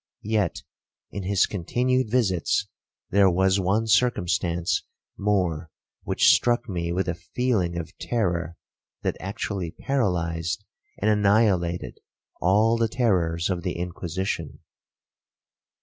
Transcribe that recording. Yet, in his continued visits, there was one circumstance more, which struck me with a feeling of terror that actually paralyzed and annihilated all the terrors of the Inquisition.